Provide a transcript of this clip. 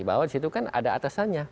bahwa di situ kan ada atasannya